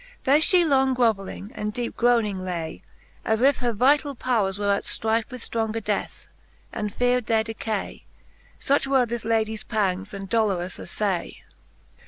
There fhe long groveling, and deepe groning lay. As if her vitall powers were at flrife With flronger death, and feared their decay ; Such were this ladle's pangs and dolorous affay, VI.